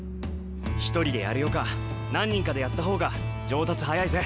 一人でやるよか何人かでやった方が上達早いぜ。